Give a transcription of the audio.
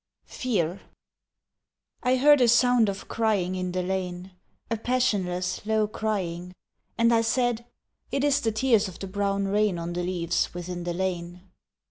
Fear I HEARD a sound of crying in the lane, A passionless, low crying, And I said, "It is the tears of the brown rain On the leaves within the lane!"